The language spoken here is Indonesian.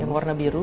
yang berwarna biru